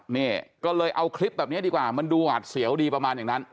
นี่ก็เลยเอาคลิปแบบนี้ดีกว่ามันดูหวาดเสียวดีประมาณอย่างนั้น